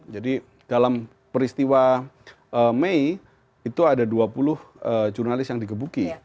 jadi dalam peristiwa may itu ada dua puluh jurnalis yang digebuki